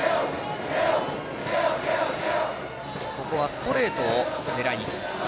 ストレートを狙いにいきます。